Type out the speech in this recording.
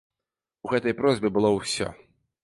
У гэтай просьбе было ўсё.